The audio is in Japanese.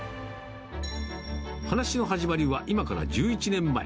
話の始まりは今から１１年前。